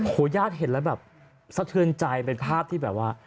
ญาติเห็นแล้วแบบสะเทือนใจเป็นภาพที่แบบว่า